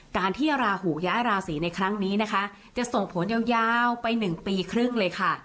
การที่ราหูย้ายราศีในครั้งนี้นะคะจะส่งผลยาวไป๑ปีครึ่งเลยค่ะ